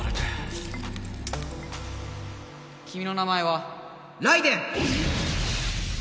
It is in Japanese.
きみの名前はライデェン！